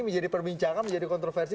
menjadi perbincangan menjadi kontroversi